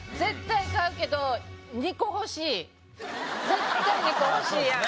絶対２個欲しいやん。